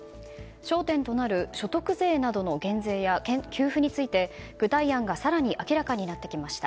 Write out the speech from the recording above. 焦点となる所得税などの減税や給付について具体案が更に明らかになってきました。